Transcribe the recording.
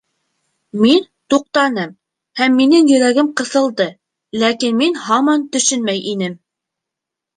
Мин туҡтаным, һәм минең йөрәгем ҡыҫылды, ләкин мин һаман төшөнмәй инем.